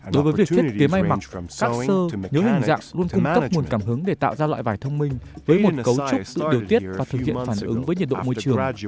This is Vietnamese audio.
đối với việc thiết kế may mặc các sơ nhớ hình dạng luôn cung cấp nguồn cảm hứng để tạo ra loại vải thông minh với một cấu trúc tự điều tiết và thực hiện phản ứng với nhiệt độ môi trường